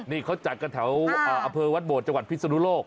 นี่เขาจัดกันแถวอำเภอวัดโบดจังหวัดพิศนุโลก